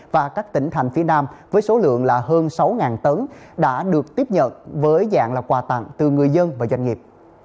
và các tỉnh thành phía nam với số lượng là hơn sáu tấn đã được tiếp nhận với dạng là quà tặng từ người dân và doanh nghiệp